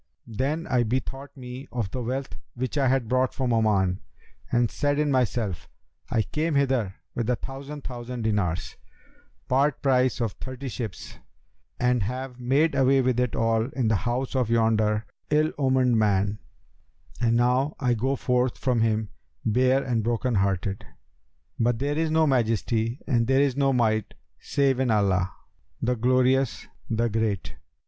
Then I bethought me of the wealth which I had brought from Oman and said in myself, 'I came hither with a thousand thousand dinars, part price of thirty ships, and have made away with it all in the house of yonder ill omened man, and now I go forth from him, bare and broken hearted! But there is no Majesty and there is no Might save in Allah, the Glorious, the Great!'